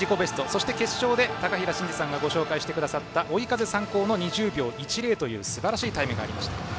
そして決勝で高平慎士さんがご紹介してくださった追い風参考の２０秒１０というすばらしいタイムがありました。